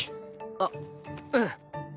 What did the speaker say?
あっうん！